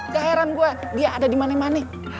gak heran gue dia ada di mana mana